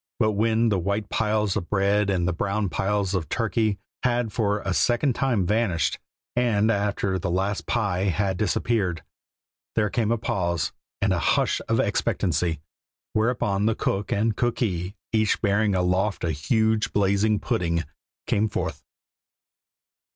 But when the white piles of bread and the brown piles of turkey had for a second time vanished, and after the last pie had disappeared, there came a pause and a hush of expectancy, whereupon the cook and cookee, each bearing aloft a huge, blazing pudding, came forth.